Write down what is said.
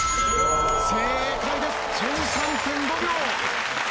正解です１３．５秒！